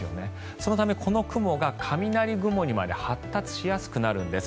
そのため、この雲が雷雲にまで発達しやすくなるんです